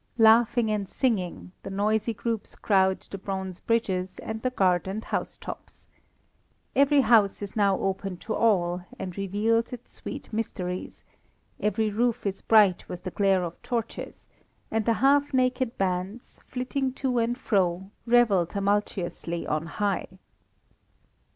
Laughing and singing, the noisy groups crowd the bronze bridges and the gardened house tops. Every house is now open to all, and reveals its sweet mysteries; every roof is bright with the glare of torches, and the half naked bands, flitting to and fro, revel tumultuously on high.